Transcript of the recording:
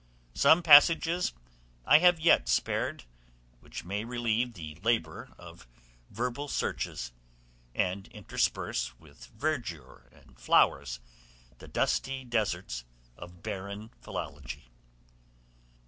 Some passages I have yet spared, which may relieve the labor of verbal searches, and intersperse with verdure and flowers the dusty deserts of barren philology.